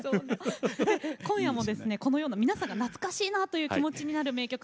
今夜もですねこのような皆さんが懐かしいなという気持ちになる名曲